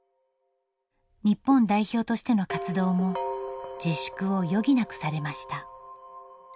日本代表としての活動も自粛を余儀なくされました。